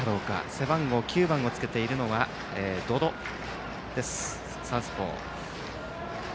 背番号９番をつけているのは百々です、サウスポー。